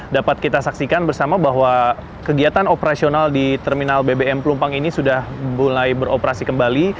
dapat kita saksikan bersama bahwa kegiatan operasional di terminal bbm pelumpang ini sudah mulai beroperasi kembali